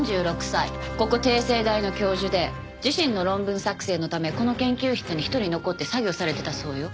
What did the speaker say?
ここ帝政大の教授で自身の論文作成のためこの研究室に一人残って作業されてたそうよ。